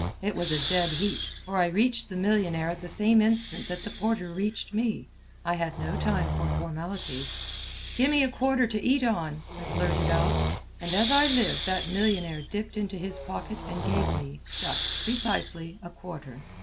It was a dead heat, for I reached the millionnaire at the same instant that the porter reached me. I had no time for formalities. "Gimme a quarter to eat on," I blurted out. And as I live, that millionnaire dipped into his pocket and gave me ... just ... precisely ... a quarter.